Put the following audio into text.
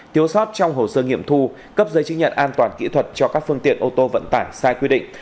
thiếu sót trong hồ sơ nghiệm thu cấp giấy chứng nhận an toàn kỹ thuật cho các phương tiện ô tô vận tải sai quy định